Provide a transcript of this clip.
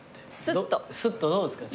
すっとどうですか？